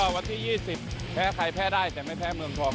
วันที่๒๐แพ้ใครแพ้ได้แต่ไม่แพ้เมืองทอง